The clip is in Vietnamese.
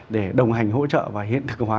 để đồng hành hỗ trợ và hiện thực hóa